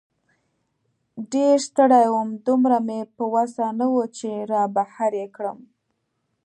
ډېر ستړی وم، دومره مې په وسه نه وه چې را بهر یې کړم.